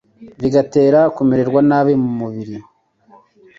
bigatera kumererwa nabi mu mubiri,